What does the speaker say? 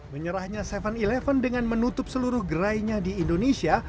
menyerahnya tujuh sebelas dengan menutup seluruh gerainya di indonesia